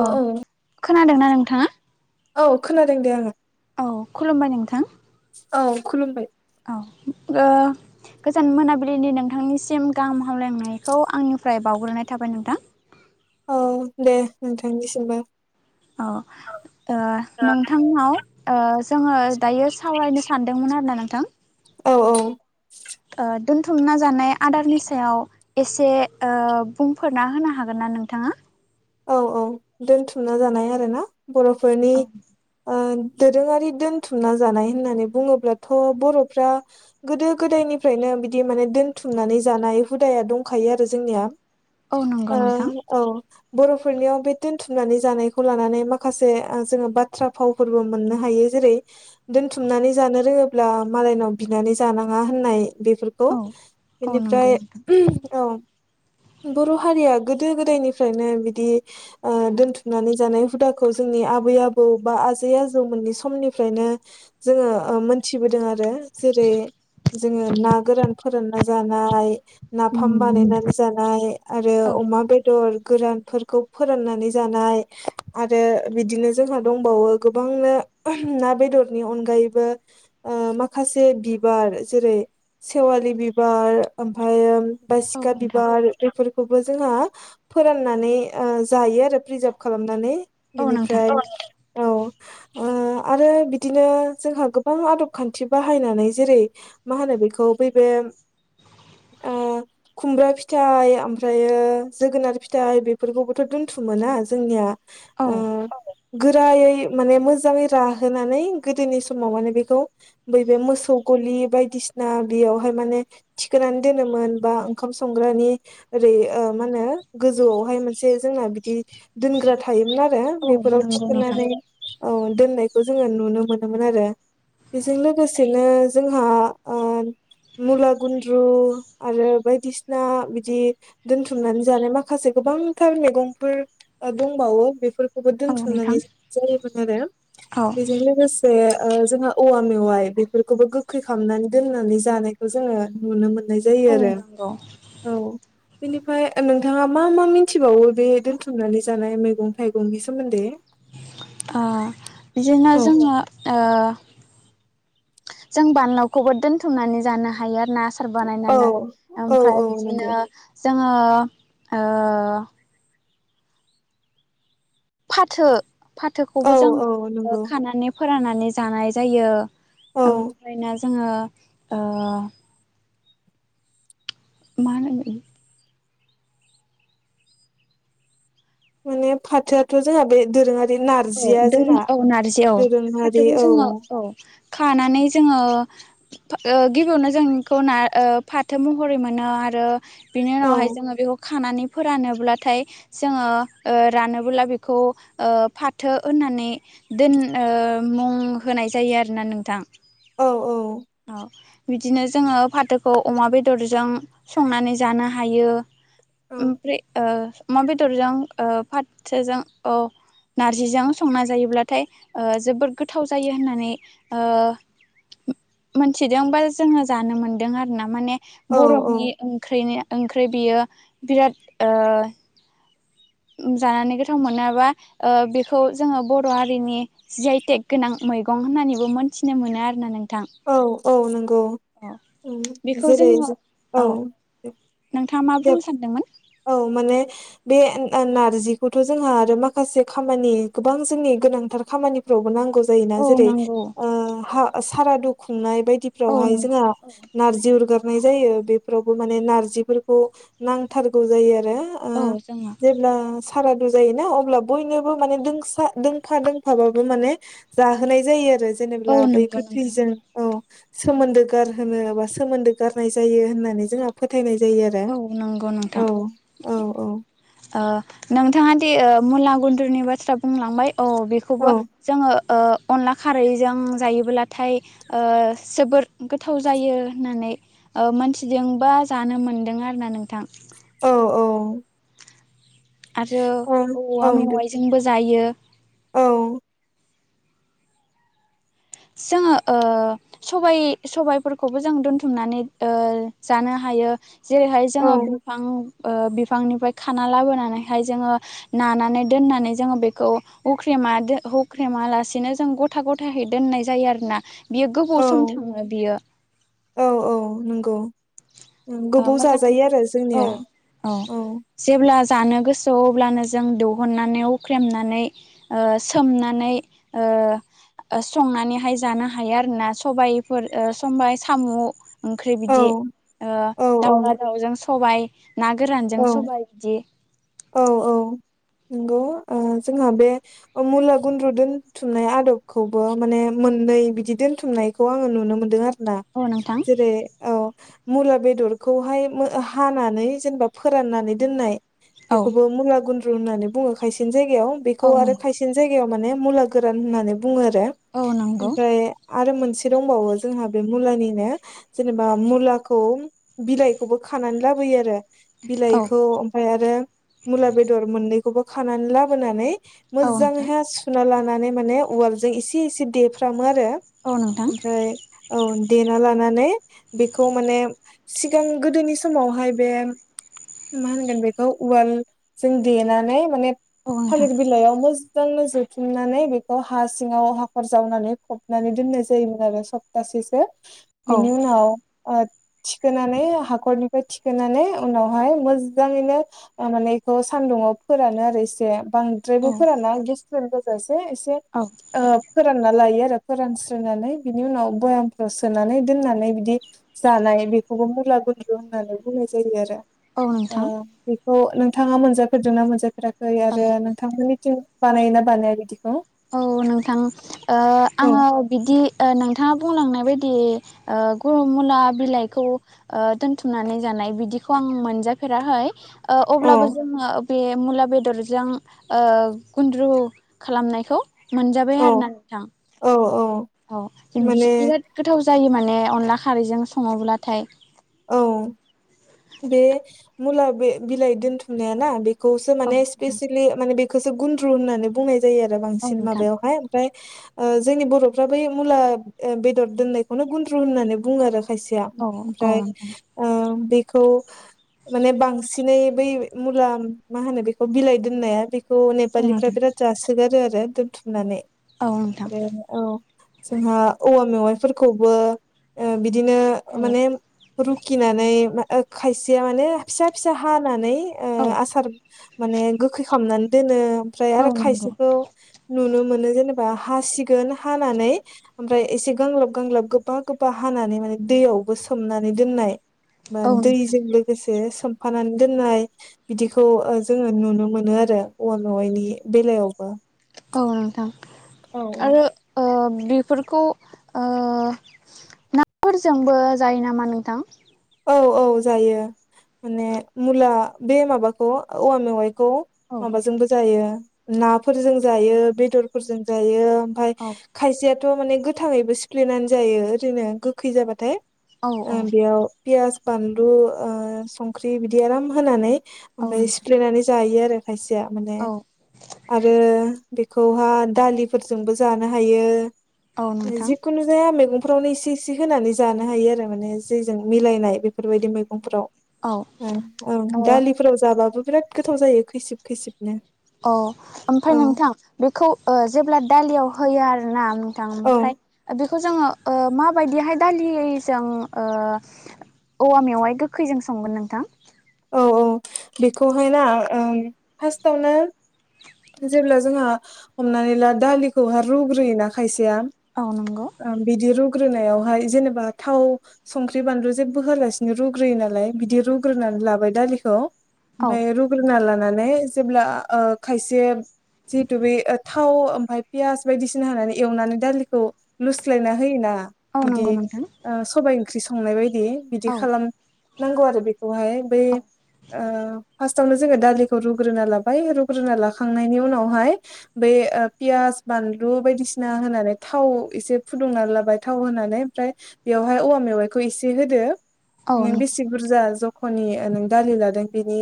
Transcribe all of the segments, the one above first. औ अ औ खोनादोंना नोंथाङा? औ खोनादों दे आङो औ खुलुमबाय नोंथां औ खुलुमबाय औ ओ गोजान मोनाबिलिनि नोंथांनिसिम गाहाम हामलायनायखौ आंनिफ्राय बावग्रोनाय थाबाय नोंथां औ दे नोंथांनिसिमबो औ ओ औ नोंथांनाव ओ जोङो दायो सावरायनो सानदोंमोन आरोना नोंथां औ औ ओ दोनथुमना जानाय आदारनि सायाव एसे ओ बुंफोरना होनो हागोन ना नोंथाङा? औ औ दोनथुमना जानाय आरोना बर'फोरनि ओ दोरोङारि दोनथुमना जानाय होननानै बुङोब्लाथ' बर'फ्रा गोदो गोदायनिफ्रायनो बिदि माने दोनथुमनानै जानाय हुदाया दंखायो आरो जोंनिया औ नंगौ नोंथां ओं औ बर'फोरनियाव बे दोनथुमनानै जानायखौ लानानै माखासे जोङो बाथ्रा फावफोरबो मोननो हायो जेरै दोनथुमनानै जानो रोङोब्ला मालायनाव बिनानै जानाङा होननाय बेफोरखौ औ औ बेनिफ्राय नंगौ नोंथां औ बर' हारिया गोदो गोदायनिफ्रायनो बिदि ओ दोथुमनानै जानाय हुदाखौ जोंनि आबै आबौ बा आजै आजौमोननि समनि फ्रायनो जोङो ओ मोनथिबोदों आरो जेरै जोङो ना गोरान फोरानना जानाय नाफाम उम बानायनानै जानाय आरो औ अमा बेदर गोरान फोरखौ फोराननानै जानाय आरो बिदिनो जोंहा दंबावो गोबांनो ना बेदरनि अनगायैबो ओ माखासे बिबार जेरै सेवालि बिबार ओमफायो औ बासिखा नोंथां बिबार बेफोरखौबो जोंहा फोराननानै ओ जायो आरो प्रिजार्भ खालामनानै औ नोंथां बिनिफ्राय औ [inaudible] ओ आरो बिदिनो जोंहा गोबां आदब खान्थि बाहायनानै जेरै मा होनो बेखौ बे ओ खुमब्रा फिथाइ आमफ्रायो जोगोनार फिथाइ बे बेफोरफोरखौबोथ' दोनथुमो ना जोंनिया औ ओ गोरायै माने मोजाङै राहोनानै गोदोनि समाव माने बेखौ बैबे मोसौ गलि बायदिसिना बेयावहाय माने थिखोनानै दोनोमोन बा ओंखाम संग्रानि ओरै ओ मा होनो गोजौवावहाय एसे जोंना बिदि दोनग्रा थायोमोन आरो औ बेफोराव नंगौ नोंथां थिखोनानै औ दोननायखौ जोङो नुनो मोनोमोन आरो बेजों लोगोसेनो जोंहा ओ मुला गुन्द्रु आरो बायदिसिना बिदि दोनथुमनानै जानाय माखासे गोबां थार मैगंफोर दंबावो बेफोर बेफोरखौ औ दोनथुमनानै नोंथां जायोमोन आरो औ बेजों लोगोसे ओ जोंहा औवा मेवाइ बेफोरखौबो गोखै खालामनानै दोननानै जानायखौ जोङो नुनो मोनो जायो औ आरो नंगौ औ बिनिफ्राय नोंथाङा मा मा मिन मिथिबावो बे दोन्थुमनानै जानाय मैगं थाइगंनि सोमोनदोयै ओ बिदिनो औ जोङो ओ जों बानलावखौबो दोनथुमनानै जानो हायो आरो ना आसार औ बानायनानै औ ओमफ्राय औ बिदिनो नंगौ जोङो ओ फाथो औ फाथोखौबो जोङो औ नंगौ खानानै फोराननानै जानाय जायो औ ओमफ्राय ना जोङो ओ मा होनोमोन माने फाथोआथ' जोंहा बे दोरोङारि औ नारजिया जों जोंना औ नारजि औ दोरोङारि फाथोखौ औ जोङो औ खानानै जोङो ओ गिबियावनो जोंखौ ना फाथो महरै मोनो आरो बिनि औ उनावहाय जोङो बेखौ खानानै फोरानोब्लाथाय जोङो रानोबोला बेखौ ओ फा थो होननानै दोन मुं होनाय जायो आरोना नोंथां। औ औ बिदिनो जोङो फाथोखौ अमा बेदरजों संनानै जानो हायो ओमफ्राय ओ अमा ओ बेदरजों फाथोजों औ नारजिजों संना जायोब्लाथाय जोबद गोथाव जायो होननानै ओ मोनथिदोंबा जोङो जानो मोनदों आरो ना माने औ बर'नि ओंखनि ओंख्रि बियो बिराद ओ जानानै गोथाव मोनाबा ओ बेखौ जोङो बर' हारिनि जि आइ टेक गोनां मैगं होननानैबो मोन्थिनो मोनो आरोना नों औ औ नंगौ जेरै औ नोंथांङा मा दे बुंनो सानदोंमोन? औ माने बे नारजिखौथ' जोंहा आरो माखासे खामानि गोबां जोंनि गोनांथार खामानिफ्रावबो नांगौ जोयोना औ जेरै नंगौ ऐ हा सारादु खुंनाय औ बायदिफ्रावहाय नंगौ जोंहा नारजि अरगा नाय जायो बेफोरावबो माने नारजिफोरखौ नांथारगौ जायो आर रो ओ औ जोङो जेब्ला सारादु जायो ना अब्ला बयनोबो माने दोंसा दोंफा दोंफाबाबो माने जाहोनाय जायो आरो। औ जेनेबा बै नंगौ नोंथां गोथैजों औ सोमोन्दो गारहोनो बा सोमोन्दो गारनाय जायो होननानै जोंहा फोथायनाय जायो आरो। औ नंगौ औ नोंथां औ औ ओ नोंथांङा दि मुला गुन्दुरनि बाथ्रा बुंलांबाय औ औ बेखौबो जोंङो ओ अनला खारैजों जायोब्लाथाय ओ जोबोर गोथाव जायो होननानै ओ मोनथिदोंबा जानो मोनदों आरो ना नोंथां। औ औ आरो औ औ औवा दे मेवाइजोंबो जायो। औ जोंङो ओ सबाय सबायाइफोरखौबो जों दोनथुमनानै ओ जानो हा यो जेरैहाय औ जोंङो बिफां ओ बिफांनिफ्राय खाना लाबोनानैहाय जोंङो नानानै दोननानै जोंङो बेखौ उख्रेम हख्रेमा लासिनो जों गथा गथा दोननाय जायो आरोना बियो गोबाव सम औ थांङो बियो। औ औ नंगौ उम, गोबाव जाजायो मोजांयो आरो औ जोंनिया औ जेब्ला जानो गोसोआव अब्लानो जों दिहुननानै अख्रेमनानै सोमनानै ओ संनानैहाय जानो हायो आरोना सबायफोर ओ सबाय सामु ओंख्रि औ बिदि ओ औ औ दाउला दाउजों सबाय ना औ गोरानजों सबाय बिदि औ औ नंगौ ओ जोंहा बे मुला गुन्द्रु दोनथुमनाय आदबखौबो माने मो मोननै बिदि दोनथुमनायखौ आंङो नुनो मोनदों आरो ना औ नोंथां जेरै औ मुला बेदरखौहाय हानानै जेनेबा फोराननानै दोननाय। औ बेखौबो मुला गुन्द्रु होननानै बुंङो खायसेनि जायगायाव औ बेखौ आरो नंगौ खायसेनि जायगायाव माने मुला गोरान होननानै बुङो आरो औ नंगौ आमफ्राय आरो मोनसे दंबावयो जोंहा बे मुलानिनो जेनेबा मुलाखौ बिलाइखौबो खानानै लाबो यो आरो औ बिलाइखौ ओमफ्राय आरो मुला बेदर मोननैखौबो खानानै लाबोनानै औ मोजां नोंथां हाय सुना लानानै माने उवालजों एसे एसे देफ्राम मो आरो औ नोंथां ओमफ्राय औ देना लानानै बेखौ माने सिगां गोदोनि समावहाय बे मा होनगोन बेखौ उवालजों देनानै माने औ नोंथां थालिर बिलाइयावनो जोंनो जुथुमनानै बेखौ हा सिङांव हाखर जावनानै फबनानै दोननाय जायोमोन आरो सप्तासेसो। औ बिनि उनाव ओ थिखोनानै हाखरनिफ्राय थिखोनानै उनावहाय मोजाङैनो माने बेखौ सान्दुंङाव फोरानो आरो इसे औ बांद्रायबो फोराना गेसफोर एसे एसे औ ओ फोरान लायो आरो फोरानस्रनानै बिनि उनाव बयामफ्राव सोनानै दोननानै बिदि जानाय बेखौबो मुला गुन्द्रु होननानै बुंनाय जायो आरो औ ओ नोंथां बेखौ नोंथांङा मोनजाफेरदोंना मोनजाफेराखै ओ आरो नोंथांमोननिथिं बानायायो ना बानाया बिदि औ नोंथां ओ औ आङो बिदि ओ नोंथाङा बुंलांनाय बाय दि ओ मुला बिलाइखौ ओ दोनथुमनानै जानाय बिदिखौ आं मोनजा फेराखै ओ अब्लाबो औ जोङो बे मुला बेदरजों ओ गुन्द्रु खालामनाय खौ मोनजाबाय औ आरोना नोंथां औ औ औ माने बिराद गोथाव जायो माने अनला खारैजों सङोब्लाथाय औ बे मुला बिलाइ दोनथुमनायाना बे खौसो माने स्पेसियेलि माने बेखौसो गुन्द्रु होननानै बुंनाय जायो आरो औ बांसिन नोंथां माबायावहाय ओमफ्राय ओ जोंनि बर'फ्रा बै मुला बेदर दोननायखौनो गुन्द्रु होननानै बुङो आरो खायसेया औ ओमफ्राय नोंथां ओ बे खौ माने बांसिनै बै मुला मा होनो बेखौ बिलाइ दोननाया बे खौ औ नेपालिफ्रा नोंथां बिराद जासोगारो आरो दोनथुमनानै औ नोंथां औ नोंथां बे औ जोंहा औवा मेवाइफोरखौबो ओ बिदिनो औ माने रुखिनानै खायसेया माने फिसा फिसा हानानै ओ औ आसार माने गोखै खालामनानै दोनो ओमफ्राय औ आरो नंगौ खायसेखौ नुनो मो नो जेनेबा हासिगोन हानानै ओमफ्राय इसे गांलाब गांलाब गोबा गोबा हानानै माने दैयावबो सोमनानै दोननाय बा औ नोंथां दैजों लोगोसे सोमफानानै दोननाय बिदिखौ जोङो नुनो मोनो आरो औवा मेवाइनि बेलायावबो औ नोंथां औ आरो ओ बेफोरखौ ओ नाफोरजोंबो जायो नामा नोंथां औ औ जायो माने मुला बे माबाखौ औवा मेवाइ खौ औ माबाजोंबो जायो नाफोरजों जायो बेदरफोरजों जायो ओमफाय औ खायसेयाथ' माने गोथाङैबो सिफ्लेनानै जायो ओरैनो गोखै जाबाथाय औ औ बेयाव पियास बानलु ओ संख्रि बिदि आराम होनानै औ ओमफ्राय नोंथां सिफ्लेनानै जायो आरो खायसेया माने औ आरो बेखौहा दालिफोरजोंबो जानो हायो औ नोंथां जिखुनु जाया मैगं फोरावनो इसे इसे होनानै जानो हायो आरो माने जेजों मिलायनाय बेफोरबायदि मैगंफोराव औ ओ ओं ओं दालिफोराव जाबाबो बिराद गोथाव जायो खैसिब खैसिबनो औ ओमफ्राय औ नोंथां बेखौ जेब्ला दालियाव होयो आरोना नोंथां औ ओमफ्राय बेखौ जोङो ओ माबायदिहाय दालिजों ओ औवा मेवाय गोखैजों संगोन नोंथां औ औ बेखौहाय ना ओ फार्स्टआवनो जेब्ला जोंहा हमनानै ला दालिखौहा रुग्रोयोना खाय सेया औ नंगौ बिदि रु ग्रोनायावहाय जेनेबा थाव संख्रि बानलु जेबो होआलासिनो रुग्रोयो नालाय बिदि रुग्रोनानै ला बाय दालिखौ औ ओमफाय रुग्रोना लानानै जेब्ला ओ खायसे जिहेतु बे थाव ओमफ्राय पियास बायदिसिना होनानै एवनानै दालिखौ लुस्लायना होयोना औ बिदि नंगौ नोंथां ओ सबाय ओंख्रि संनाय बाय दि बिदि औ खालामनांगौ आरो बेखौहाय बै औ ओ फार्स्टावनो जोङो दालिखौ रुग्रोना लाबाय रुग्रोना लाखांनायनि उनावहाय बे पियास बानलु बायदिसि होनानै थाव एसे फुदुंनानै लाबाय थाव होनानै ओमफ्राय बेयावहाय ओवा मेवाइखौ एसे होदो औ नों नोंथां बेसे बुरजा जखानि नों दालि लादों बिनि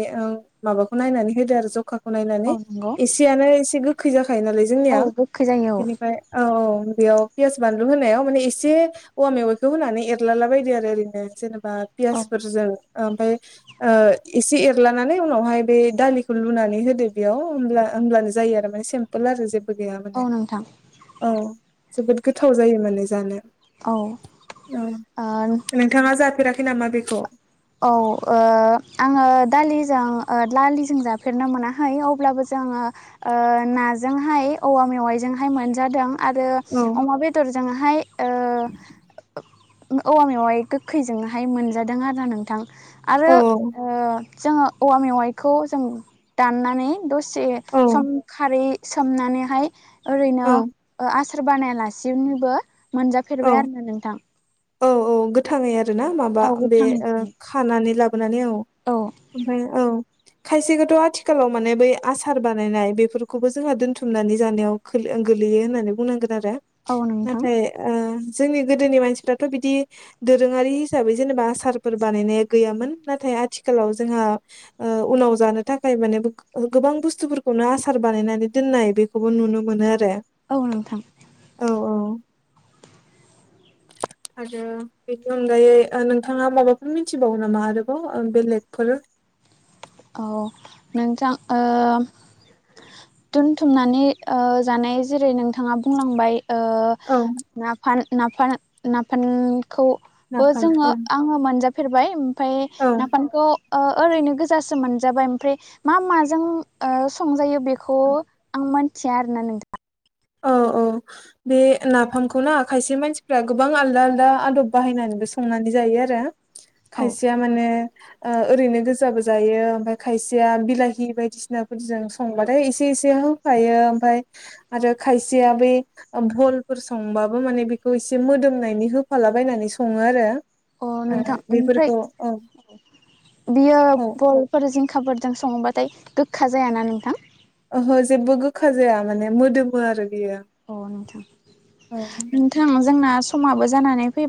माबाखौ नायनानै होदो आरो जखाखौ औ नायनानै नंगौ एसेयानो एसे गोखै जाखायो नालाय जोंनिया औ गोखै जायो बेनिफ्राय औ औ बेयाव पियास बानलु होनायाव माने एसे औवा मेवाइखौ होनानै एरलाला बायदो आरो ओरैनो जेनेबा बा औ पियासफोरजों आमफाय ओ एसे एरलानानै उनावहाय बे दालिखौ लुनानै होदो बेयाव होमब्ला होमब्लानो जायो आरो सिमपोल आरो जेबो गैया औ माने औ नोंथां औ जोबोद गोथाव जायो माने जानो औ औ ओ नोंथाङा जाफेराखै नामा बेखौ औ ओ आङो दालिजों ओ दालिजों जाफेरनो मोनाहै अब्लाबो जो जोङो ओ नाजोंहाय औवा मेवाइजोंहाय मोनजादों आरो औ अमा बेदरजोंहाय ओ औवा मेवाइ गोखैजोंहाय मोनजादों आरो नोंथां आरो औ ओ जोङो औवा मेवाइखौ जों दाननानै दसे औ सम खारै सोमनानैहाय ओरैनो औ ओ आस सार बानायालासिनोबो औ मोनजाफेरबाय आरोना नोंथां औ औ गोथाङै आरो ना माबा औ बे गोथाङै ओ खानानै ला बोनानै औ ओमफ्राय औ खायसेखौथ' आथिखालाव माने बै आसार बानायनाय बेफोरखौबो जोंहा दोनथुमनानै जानायाव खोलो ओ गोलैयो होननानै बुंनांगोन आरो औ नोंथां नाथाय ओ जोंनि गोदोनि मानसिफ्राथ' बिदि दोरोङारि हिसाबै जेनेबा आसारफोर बानायनाया गैयामोन नाथाय आथिखालाव जोंहा ओ उनाव जानो थाखाय माने गोबां बुस्थुफोरखौनो आसार बानायनानै दोननाय बेखौबो नुनो मोनो आरो औ नोंथां औ औ [inaudible] आरो बेनि अनगायै ओ नोंथाङा माबाफोर मिथिबावो नामा आरोबाव ओ बेलेगफोर औ नोंथां ओ दोनथुमनानै ओ जानाय जेरै नोंथाङा बुंलांबाय ओ औ नाफान नाफान नाफान खौबो नाफाम जोङो औ आङो मोनजाफेरबाय ओमफ्राय औ नाफानखौ ओ ओरैनो गोसो जासो मोनजाबाय ओमफ्राय मा माजों ओ संजायो बेखौ आं मोन थिया आरो ना नोंथा औ औ बे नाफामखौ ना खायसे मानसिफ्रा गोबां आलदा आलदा आदब बाहायनानैबो संनानै जायो जायो आरो औ खायसेया माने ओ ओरैनो गोजाबो जायो ओमफ्राय खायसेया बिलाहि बायदिसिनाफोरजों संबाथाय एसे से होफायो ओमफ्राय आरो खायसेया बेै भलफोर संबाबो माने बेखौ एसे मोदोमनायनि होफालाबायनानै सङो आरो अ ओ नोंथां ओमफ्राय बेफोरखौ औ बियो औ बलफोर जिंखाफोरजों सङोबाथाय गोखा जायाना नोंथां ओहो जेबो गोखा जाया माने मोदोमो आरो बियो अ नोंथां औ नोंथां जोंना समाबो जानानै फै